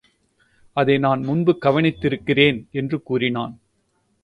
அதைநான் முன்பு கவனித்திருக்கிறேன்! என்று கூறினான்.